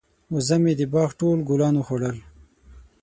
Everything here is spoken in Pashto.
وزه مې د باغ ټول ګلان وخوړل.